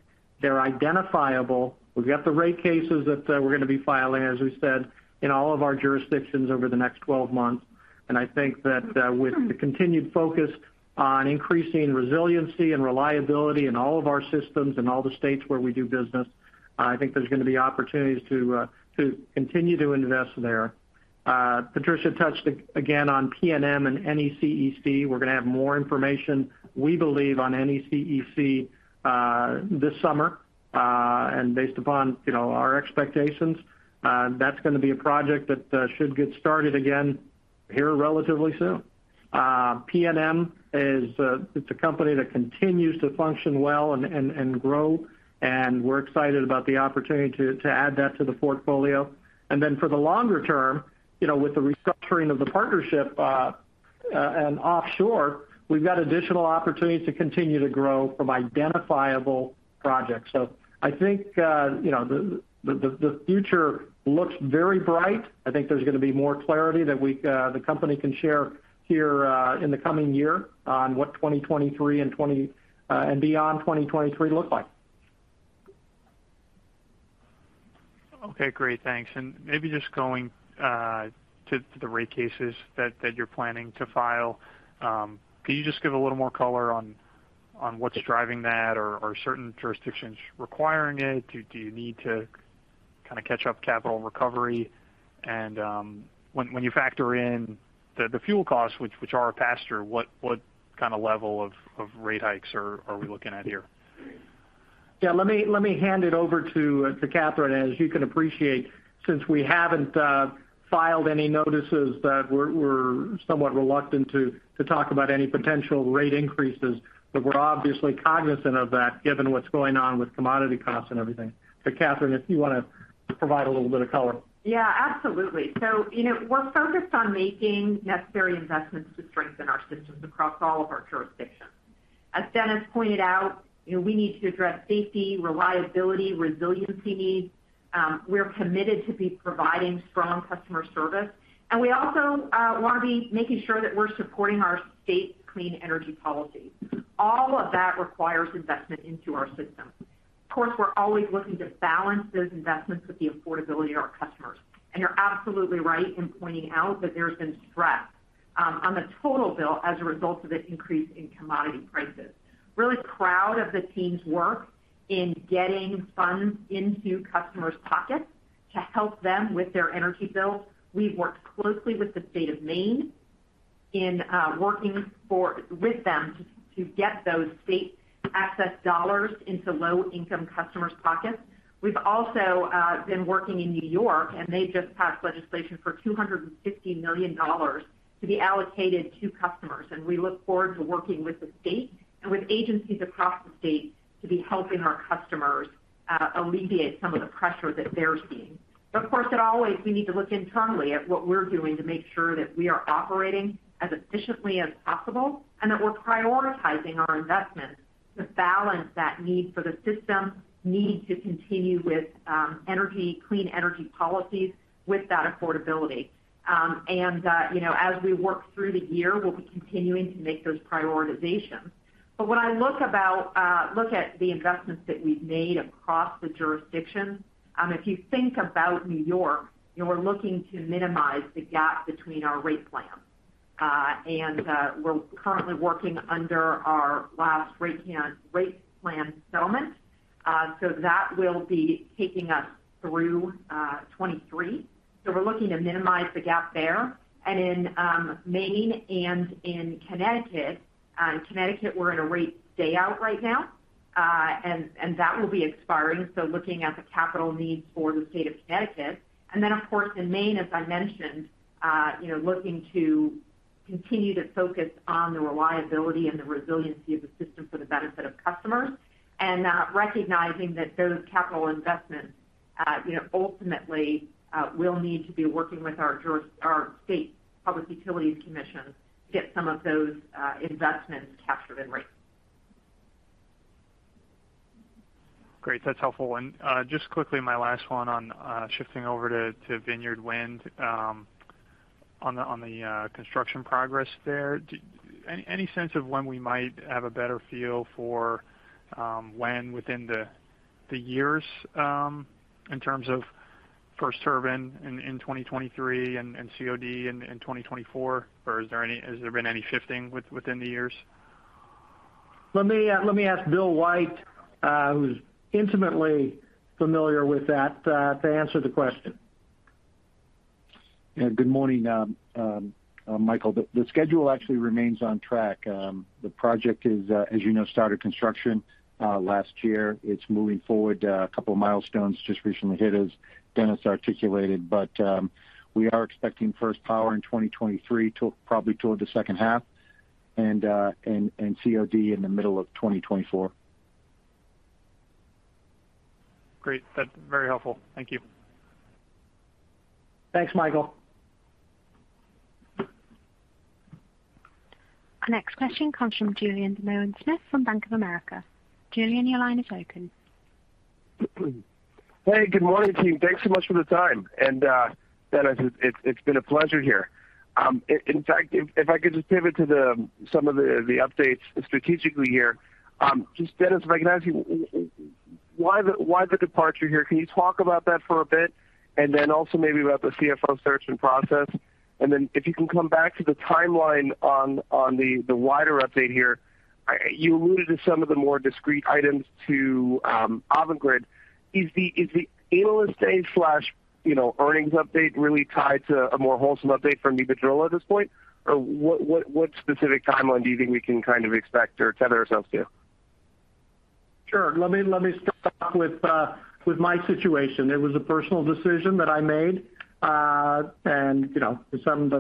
they're identifiable. We've got the rate cases that we're gonna be filing, as we said, in all of our jurisdictions over the next 12 months. I think that with the continued focus on increasing resiliency and reliability in all of our systems in all the states where we do business, I think there's gonna be opportunities to continue to invest there. Patricia touched again on PNM and NECEC. We're gonna have more information, we believe, on NECEC this summer. Based upon, you know, our expectations, that's gonna be a project that should get started again here relatively soon. PNM is a company that continues to function well and grow, and we're excited about the opportunity to add that to the portfolio. Then for the longer term, you know, with the restructuring of the partnership and offshore, we've got additional opportunities to continue to grow from identifiable projects. I think the future looks very bright. I think there's gonna be more clarity that the company can share here in the coming year on what 2023 and beyond 2023 look like. Okay, great. Thanks. Maybe just going to the rate cases that you're planning to file. Can you just give a little more color on what's driving that or certain jurisdictions requiring it? Do you need to kinda catch up capital recovery? When you factor in the fuel costs, which are faster, what kind of level of rate hikes are we looking at here? Yeah, let me hand it over to Catherine. As you can appreciate, since we haven't filed any notices that we're somewhat reluctant to talk about any potential rate increases. We're obviously cognizant of that, given what's going on with commodity costs and everything. Catherine, if you wanna provide a little bit of color. Yeah, absolutely. You know, we're focused on making necessary investments to strengthen our systems across all of our jurisdictions. As Dennis pointed out, you know, we need to address safety, reliability, resiliency needs. We're committed to be providing strong customer service, and we also wanna be making sure that we're supporting our state's clean energy policy. All of that requires investment into our system. Of course, we're always looking to balance those investments with the affordability of our customers. You're absolutely right in pointing out that there's been stress on the total bill as a result of the increase in commodity prices. Really proud of the team's work in getting funds into customers' pockets to help them with their energy bills. We've worked closely with the state of Maine in working with them to get those state access dollars into low-income customers' pockets. We've also been working in New York, and they've just passed legislation for $250 million to be allocated to customers. We look forward to working with the state and with agencies across the state to be helping our customers alleviate some of the pressure that they're seeing. Of course, at always, we need to look internally at what we're doing to make sure that we are operating as efficiently as possible, and that we're prioritizing our investments to balance that need for the system, need to continue with energy, clean energy policies with that affordability. You know, as we work through the year, we'll be continuing to make those prioritizations. When I look at the investments that we've made across the jurisdictions, if you think about New York, you know, we're looking to minimize the gap between our rate plans. We're currently working under our last rate plan settlement, so that will be taking us through 2023. We're looking to minimize the gap there. In Maine and in Connecticut, in Connecticut, we're in a rate stay out right now, and that will be expiring, so looking at the capital needs for the state of Connecticut. Of course, in Maine, as I mentioned, you know, looking to continue to focus on the reliability and the resiliency of the system for the benefit of customers, and recognizing that those capital investments, you know, ultimately will need to be working with our state Public Utilities Commission to get some of those investments captured in rates. Great. That's helpful. Just quickly, my last one on shifting over to Vineyard Wind, on the construction progress there. Any sense of when we might have a better feel for when within the years in terms of first serving in 2023 and COD in 2024? Or has there been any shifting within the years? Let me ask Bill White, who's intimately familiar with that, to answer the question. Yeah. Good morning, Michael. The schedule actually remains on track. The project is, as you know, started construction last year. It's moving forward. A couple of milestones just recently hit as Dennis articulated. We are expecting first power in 2023 till probably toward the second half and COD in the middle of 2024. Great. That's very helpful. Thank you. Thanks, Michael. Our next question comes from Julien Dumoulin-Smith from Bank of America. Julien, your line is open. Hey, good morning, team. Thanks so much for the time. Dennis, it's been a pleasure here. In fact, if I could just pivot to some of the updates strategically here. Just Dennis, if I can ask you, why the departure here? Can you talk about that for a bit and then also maybe about the CFO search and process? Then if you can come back to the timeline on the wider update here. You alluded to some of the more discrete items to Avangrid. Is the analyst day slash, you know, earnings update really tied to a more wholesome update from Iberdrola at this point? Or what specific timeline do you think we can kind of expect or tether ourselves to? Sure. Let me start off with my situation. It was a personal decision that I made, and you know, something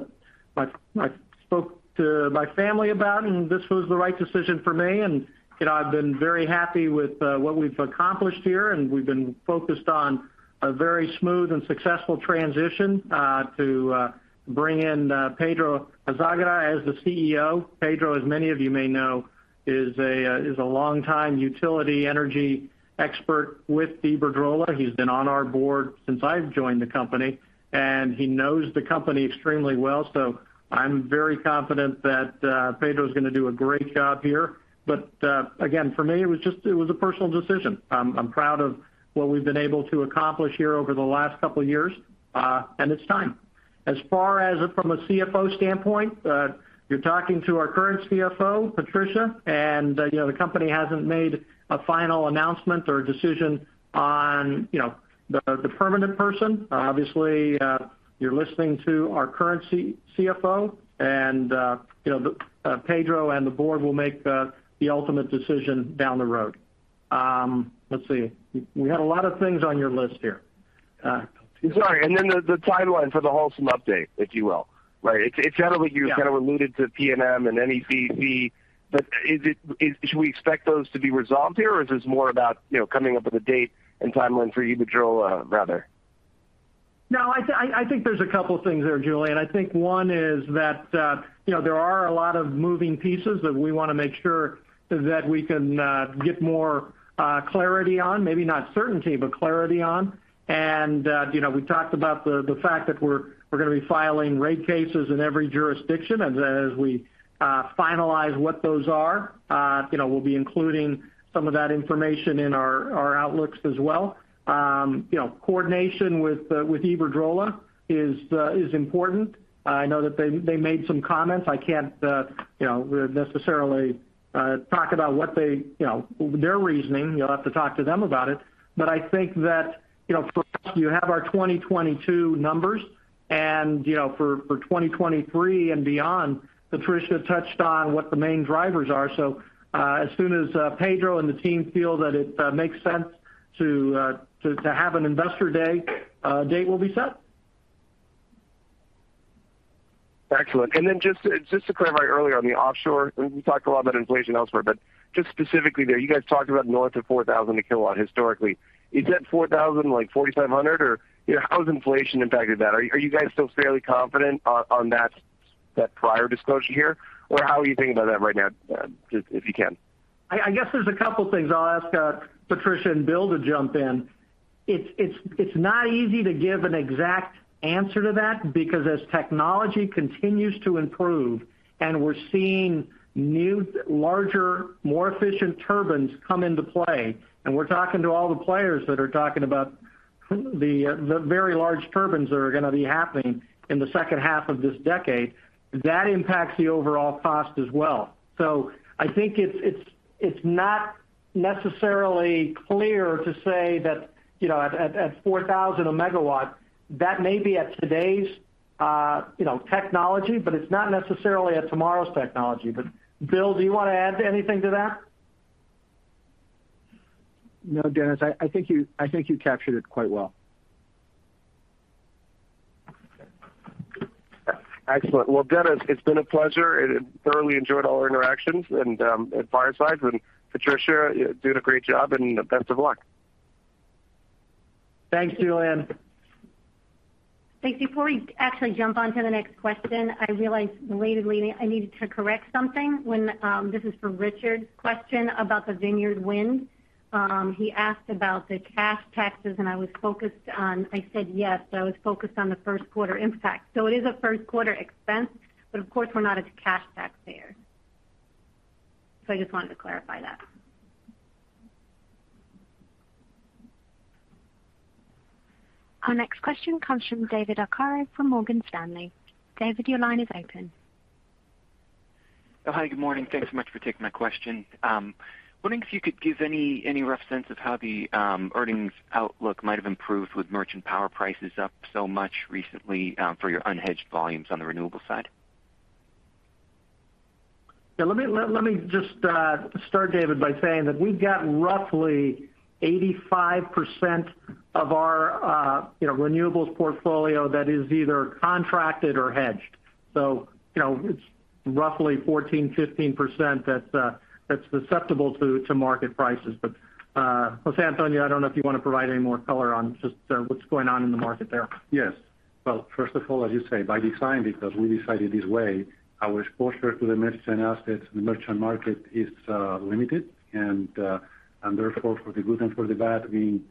that I spoke to my family about, and this was the right decision for me. You know, I've been very happy with what we've accomplished here, and we've been focused on a very smooth and successful transition to bring in Pedro Azagra as the CEO. Pedro, as many of you may know, is a longtime utility energy expert with Iberdrola. He's been on our board since I've joined the company, and he knows the company extremely well. I'm very confident that Pedro is gonna do a great job here. Again, for me, it was just a personal decision. I'm proud of what we've been able to accomplish here over the last couple of years. It's time. As far as from a CFO standpoint, you're talking to our current CFO, Patricia, and you know, the company hasn't made a final announcement or decision on you know, the permanent person. Obviously, you're listening to our current CFO and you know, the Pedro and the board will make the ultimate decision down the road. Let's see. You had a lot of things on your list here. Sorry. The timeline for the wholesale update, if you will. Right? It sounded like you- Yeah. Kind of alluded to PNM and NECEC, but should we expect those to be resolved here, or is this more about, you know, coming up with a date and timeline for Iberdrola rather? No, I think there's a couple things there, Julien. I think one is that, you know, there are a lot of moving pieces that we want to make sure that we can get more clarity on, maybe not certainty, but clarity on. You know, we talked about the fact that we're gonna be filing rate cases in every jurisdiction as we finalize what those are. You know, we'll be including some of that information in our outlooks as well. You know, coordination with Iberdrola is important. I know that they made some comments. I can't necessarily talk about what their reasoning. You'll have to talk to them about it. I think that, you know, first you have our 2022 numbers and, you know, for 2023 and beyond, Patricia touched on what the main drivers are. As soon as Pedro and the team feel that it makes sense to have an investor day, a date will be set. Excellent. Then just to clarify earlier on the offshore, we talked a lot about inflation elsewhere, but just specifically there, you guys talked about north of 4,000 a kilowatt historically. Is that 4,000 like 4,500? Or how has inflation impacted that? Are you guys still fairly confident on that prior disclosure here? Or how are you thinking about that right now, if you can? I guess there's a couple things. I'll ask Patricia and Bill to jump in. It's not easy to give an exact answer to that because as technology continues to improve and we're seeing new, larger, more efficient turbines come into play, and we're talking to all the players that are talking about the very large turbines that are gonna be happening in the second half of this decade, that impacts the overall cost as well. So I think it's not necessarily clear to say that, you know, at $4,000 a megawatt, that may be at today's, you know, technology, but it's not necessarily at tomorrow's technology. Bill, do you want to add anything to that? No, Dennis, I think you captured it quite well. Excellent. Well, Dennis, it's been a pleasure. I thoroughly enjoyed all our interactions and at Fireside. Patricia, you're doing a great job, and best of luck. Thanks, Julien Dumoulin-Smith. Thanks. Before we actually jump on to the next question, I realized belatedly I needed to correct something. This is for Richard's question about the Vineyard Wind. He asked about the cash taxes, and I was focused on. I said yes, but I was focused on the first quarter impact. It is a first quarter expense, but of course we're not a cash taxpayer. I just wanted to clarify that. Our next question comes from David Arcaro from Morgan Stanley. David, your line is open. Oh, hi, good morning. Thanks so much for taking my question. Wondering if you could give any rough sense of how the earnings outlook might have improved with merchant power prices up so much recently, for your unhedged volumes on the renewables side? Let me just start, David, by saying that we've got roughly 85% of our, you know, renewables portfolio that is either contracted or hedged. You know, it's roughly 14, 15% that's susceptible to market prices. José Antonio, I don't know if you want to provide any more color on just what's going on in the market there. Yes. Well, first of all, as you say, by design, because we decided this way, our exposure to the merchant assets, the merchant market is limited, and therefore, for the good and for the bad, I mean,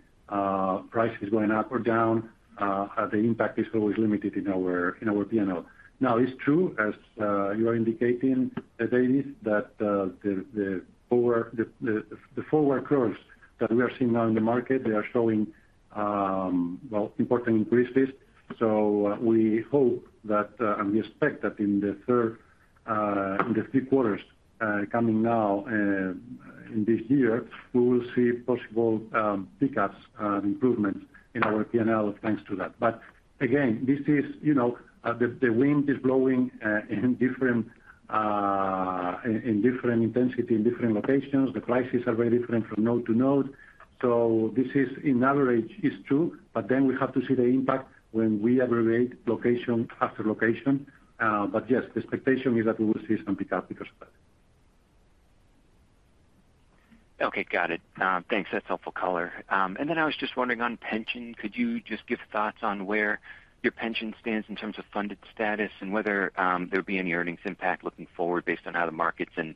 price is going up or down, the impact is always limited in our P&L. Now, it's true, as you are indicating, David, that the forward curves that we are seeing now in the market, they are showing well important increases. We hope that and we expect that in the three quarters coming now in this year, we will see possible pick-ups and improvements in our P&L, thanks to that. Again, this is, you know, the wind is blowing in different intensity in different locations. The prices are very different from node to node. This is on average true, but then we have to see the impact when we aggregate location after location. Yes, the expectation is that we will see some pick-up because of that. Okay. Got it. Thanks. That's helpful color. I was just wondering on pension, could you just give thoughts on where your pension stands in terms of funded status and whether there'd be any earnings impact looking forward based on how the markets and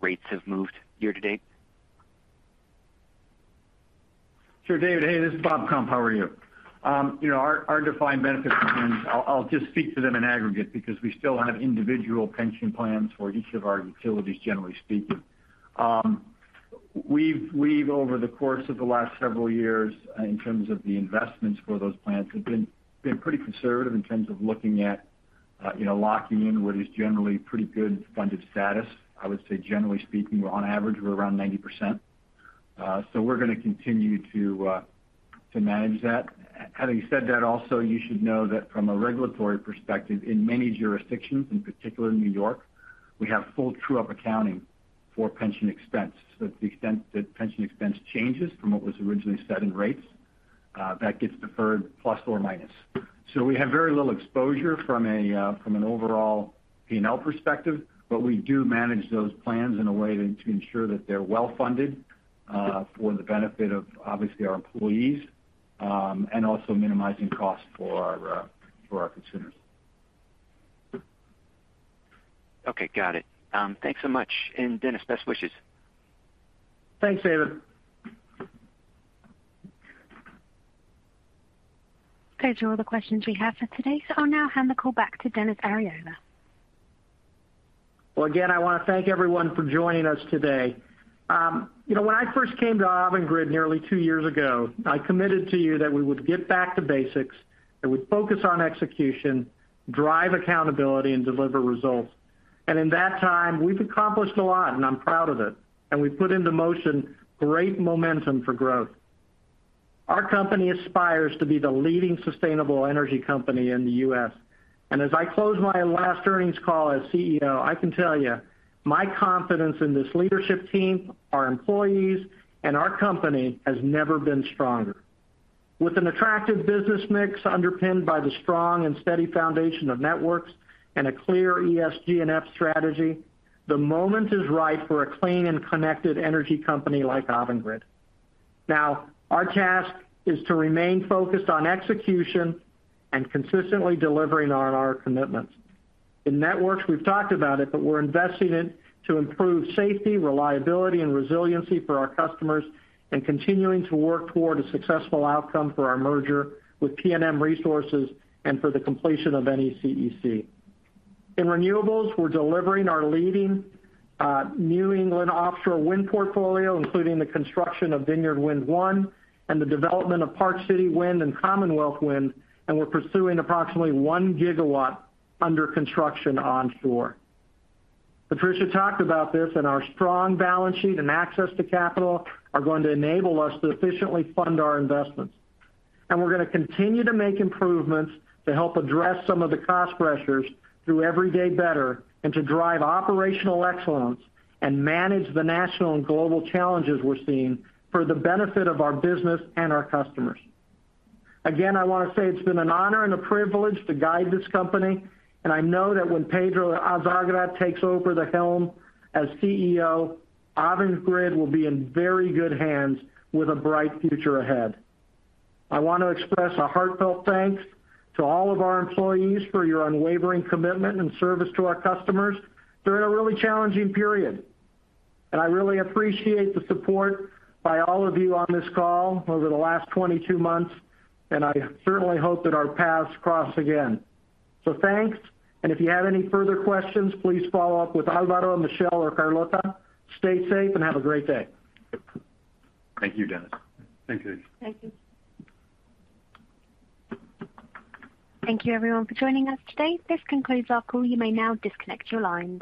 rates have moved year to date? Sure. David, hey, this is Bob Kump. How are you? You know, our defined benefit plans, I'll just speak to them in aggregate because we still have individual pension plans for each of our utilities, generally speaking. We've over the course of the last several years in terms of the investments for those plans have been pretty conservative in terms of looking at, you know, locking in what is generally pretty good funded status. I would say generally speaking, on average, we're around 90%. So we're gonna continue to manage that. Having said that, also, you should know that from a regulatory perspective, in many jurisdictions, in particular New York, we have full true-up accounting for pension expense. To the extent that pension expense changes from what was originally set in rates, that gets deferred plus or minus. We have very little exposure from an overall P&L perspective, but we do manage those plans in a way to ensure that they're well-funded, for the benefit of obviously our employees, and also minimizing costs for our consumers. Okay. Got it. Thanks so much. Dennis, best wishes. Thanks, David. Okay. Those are all the questions we have for today. I'll now hand the call back to Dennis Arriola. Well, again, I want to thank everyone for joining us today. You know, when I first came to Avangrid nearly two years ago, I committed to you that we would get back to basics, that we'd focus on execution, drive accountability, and deliver results. In that time, we've accomplished a lot, and I'm proud of it. We've put into motion great momentum for growth. Our company aspires to be the leading sustainable energy company in the U.S. As I close my last earnings call as CEO, I can tell you my confidence in this leadership team, our employees, and our company has never been stronger. With an attractive business mix underpinned by the strong and steady foundation of Networks and a clear ESG&F strategy, the moment is right for a clean and connected energy company like Avangrid. Now, our task is to remain focused on execution and consistently delivering on our commitments. In networks, we've talked about it, but we're investing in it to improve safety, reliability, and resiliency for our customers and continuing to work toward a successful outcome for our merger with PNM Resources and for the completion of NECEC. In renewables, we're delivering our leading New England offshore wind portfolio, including the construction of Vineyard Wind 1 and the development of Park City Wind and Commonwealth Wind, and we're pursuing approximately one gigawatt under construction onshore. Patricia talked about this, and our strong balance sheet and access to capital are going to enable us to efficiently fund our investments. We're gonna continue to make improvements to help address some of the cost pressures through Everyday Better and to drive operational excellence and manage the national and global challenges we're seeing for the benefit of our business and our customers. Again, I want to say it's been an honor and a privilege to guide this company. I know that when Pedro Azagra takes over the helm as CEO, Avangrid will be in very good hands with a bright future ahead. I want to express a heartfelt thanks to all of our employees for your unwavering commitment and service to our customers during a really challenging period. I really appreciate the support by all of you on this call over the last 22 months, and I certainly hope that our paths cross again. Thanks. If you have any further questions, please follow up with Alvaro, Michelle, or Carlota. Stay safe and have a great day. Thank you, Dennis. Thank you. Thank you. Thank you everyone for joining us today. This concludes our call. You may now disconnect your lines.